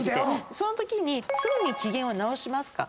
そのときにすぐに機嫌を直しますか？